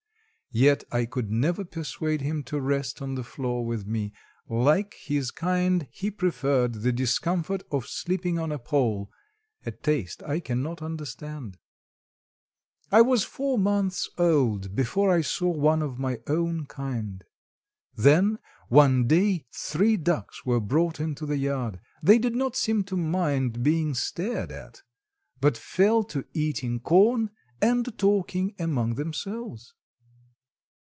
Yet I could never persuade him to rest on the floor with me. Like his kind, he preferred the discomfort of sleeping on a pole—a taste I cannot understand. I was four months old before I saw one of my own kind. Then, one day three ducks were brought into the yard. They did not seem to mind being stared at, but fell to eating corn and talking among themselves.